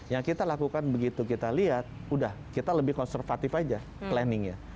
yang kita lakukan begitu kita lihat udah kita lebih konservatif aja planningnya